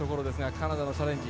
カナダのチャレンジ。